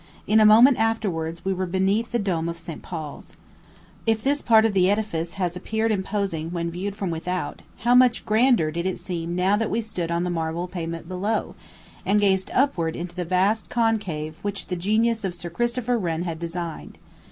In a moment afterwards, we were beneath the dome of St. Paul's. If this part of the edifice has appeared imposing when viewed from without, how much grander did it seem now that we stood on the marble pavement below, and gazed upward into the vast concave which the genius of Sir Christopher Wren had designed.